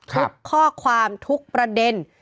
ทุกข้อความทุกประเด็น